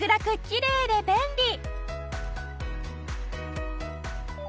きれいで便利！